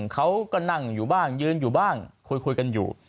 เขาก็นั่งอยู่บ้างยืนอยู่บ้างคุยกันอยู่